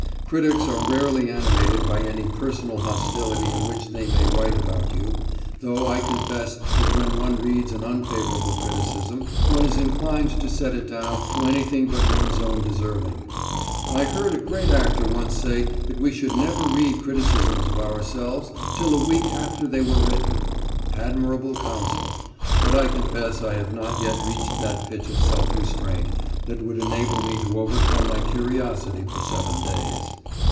Critics are rarely animated by any personal hostility in what they may write about you, though I confess that when one reads an unfavourable criticism, one is inclined to set it down to anything but one's own deserving. I heard a great actor once say that we should never read criticisms of ourselves till a week after they were written admirable counsel but I confess I have not yet reached that pitch of self restraint that would enable me to overcome my curiosity for seven days.